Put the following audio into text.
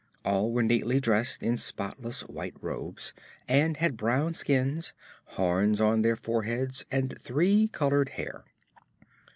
All were neatly dressed in spotless white robes and had brown skins, horns on their foreheads and three colored hair.